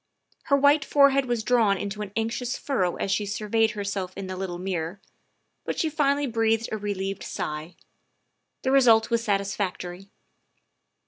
Her white forehead was drawn into an anxious furrow as she sur veyed herself in the little mirror, but she finally breathed a relieved sigh. The result was satisfactory.